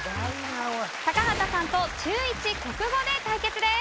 高畑さんと中１国語で対決です。